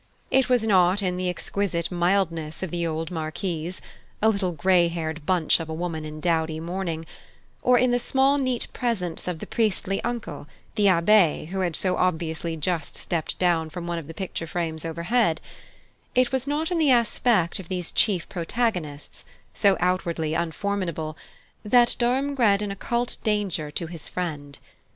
It was not in the exquisite mildness of the old Marquise, a little gray haired bunch of a woman in dowdy mourning, or in the small neat presence of the priestly uncle, the Abbe who had so obviously just stepped down from one of the picture frames overhead: it was not in the aspect of these chief protagonists, so outwardly unformidable, that Durham read an occult danger to his friend.